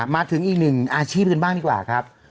มาถึงอีกหนึ่งอาชีพกันบ้างดีกว่าครับ